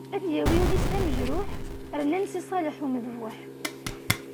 Ad d-yawi ul-is d amejruḥ, rnan Si Ṣaleḥ Umedbuḥ.